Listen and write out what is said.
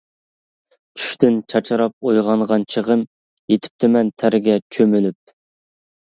چۈشتىن چاچراپ ئويغانغان چېغىم، يېتىپتىمەن تەرگە چۆمۈلۈپ.